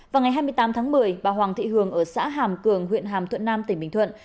vào ngày hai mươi tám tháng một mươi bà hoàng thị hường ở xã hàm cường huyện hàm thuận nam tỉnh bình thuận